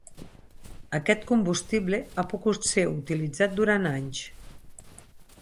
Aquest combustible ha pogut ser utilitzat durant anys.